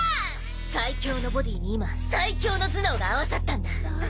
最強のボディーに今最強の頭脳が合わさったんだ！